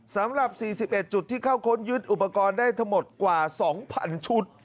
สำหรับ๔๑จุดที่เข้าค้นยึดอุปกรณ์ได้ทั้งหมดกว่า๒๐๐๐ชุด